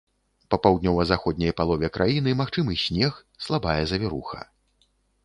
Па паўднёва-заходняй палове краіны магчымы снег, слабая завіруха.